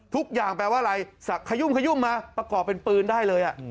ทุกอย่างแปลว่าอะไรสักขยุ่มขยุ่มมาประกอบเป็นปืนได้เลย